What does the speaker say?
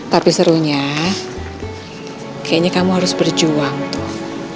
tapi serunya kayaknya kamu harus berjuang tuh